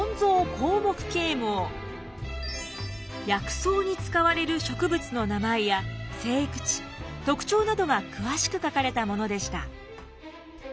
薬草に使われる植物の名前や生育地特徴などが詳しく書かれたものでした。